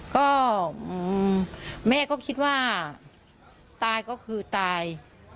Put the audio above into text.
ก็แม่ก็คิดว่าตายก็คือตาย